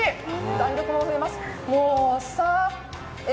弾力もあります。